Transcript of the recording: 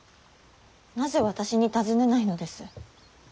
なぜ私に尋ねないのです。